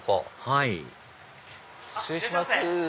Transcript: はい失礼します